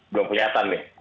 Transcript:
belum kelihatan nih